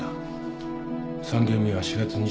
３件目は４月２４日。